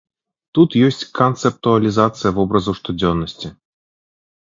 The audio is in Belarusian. Тут ёсць канцэптуалізацыя вобразаў штодзённасці.